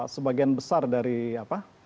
sebagian besar dari apa